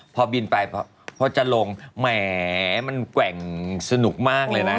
พอบินไปพอจะลงแหมมันแกว่งสนุกมากเลยนะ